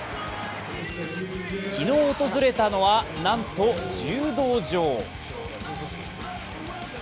昨日、訪れたのはなんと柔道場。